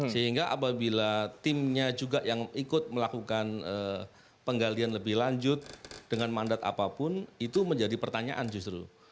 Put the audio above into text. sehingga apabila timnya juga yang ikut melakukan penggalian lebih lanjut dengan mandat apapun itu menjadi pertanyaan justru